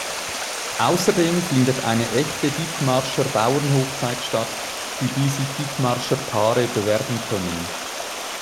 Außerdem findet eine echte "Dithmarscher Bauernhochzeit" statt, für die sich Dithmarscher Paare bewerben können.